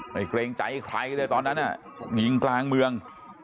ไม่เกรงใจใครเลยตอนนั้นน่ะหนีกลางเมือง